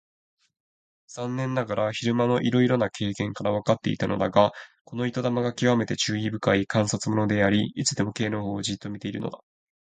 残念ながら昼間のいろいろな経験からわかっていたのだが、この糸玉がきわめて注意深い観察者であり、いつでも Ｋ のほうをじっと見ているのだ。